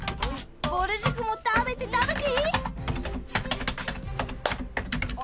ぼる塾も食べて食べて！